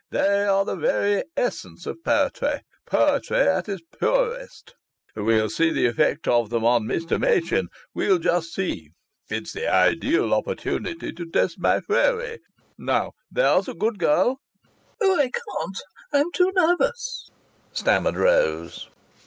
They are the very essence of poetry poetry at its purest. We'll see the effect of them on Mr. Machin. We'll just see. It's the ideal opportunity to test my theory. Now, there's a good girl!" "Oh! I can't. I'm too nervous," stammered Rose.